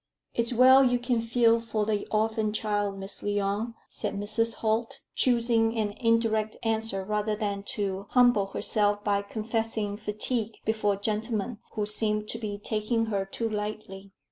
"It's well you can feel for the orphin child, Miss Lyon," said Mrs. Holt, choosing an indirect answer rather than to humble herself by confessing fatigue before gentlemen who seemed to be taking her too lightly.